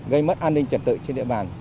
gây mất an ninh trật tự trên địa bàn